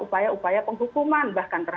upaya upaya penghukuman bahkan